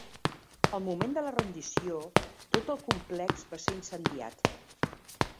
Al moment de la rendició, tot el complex va ser incendiat.